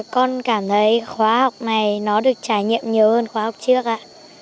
con cảm thấy khóa học này nó được trải nghiệm nhiều hơn khóa học trước ạ